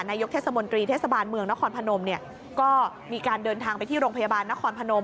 นายกเทศมนตรีเทศบาลเมืองนครพนมเนี่ยก็มีการเดินทางไปที่โรงพยาบาลนครพนม